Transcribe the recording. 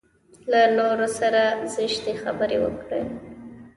له نورو سره زشتې خبرې وکړي.